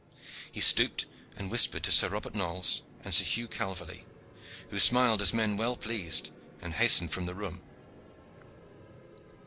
He stooped and whispered to Sir Robert Knolles and Sir Huge Calverley, who smiled as men well pleased, and hastened from the room.